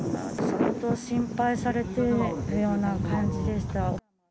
相当心配されてるような感じでした。